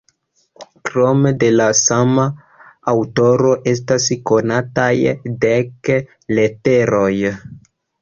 Krome de la sama aŭtoro estas konataj dek leteroj.